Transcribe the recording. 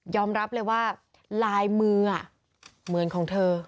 รับเลยว่าลายมือเหมือนของเธอ